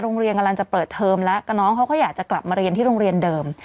โรงเรียนกำลังจะเปิดเทอมแล้วก็น้องเขาก็อยากจะกลับมาเรียนที่โรงเรียนเดิม